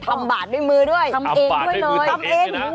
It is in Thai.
ทำบาดด้วยมือทำเองด้วยนะ